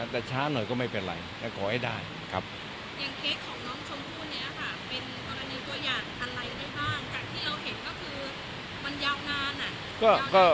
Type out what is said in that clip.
แต่ช้าหน่อยก็ไม่เป็นไรขอให้ได้